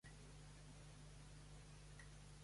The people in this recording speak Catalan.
El meu nom és Indara: i, ena, de, a, erra, a.